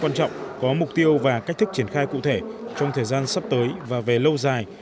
quan trọng có mục tiêu và cách thức triển khai cụ thể trong thời gian sắp tới và về lâu dài